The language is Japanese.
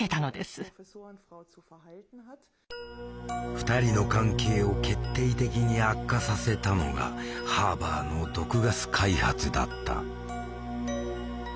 ２人の関係を決定的に悪化させたのがハーバーの毒ガス開発だった。